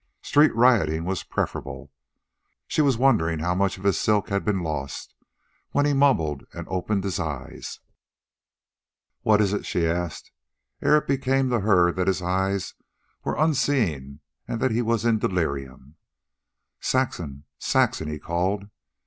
Street rioting was preferable. She was wondering how much of his silk had been lost, when he mumbled and opened his eyes. "What is it?" she asked, ere it came to her that his eyes were unseeing and that he was in delirium. "Saxon!... Saxon!" he called.